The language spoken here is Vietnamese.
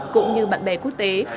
cũng như bạn bè quốc tế